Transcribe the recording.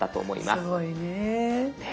すごいねえ。